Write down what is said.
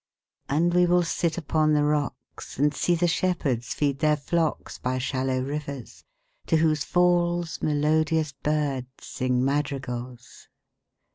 And we will sit upon the rocks, 5 And see the shepherds feed their flocks By shallow rivers, to whose falls Melodious birds sing madrigals.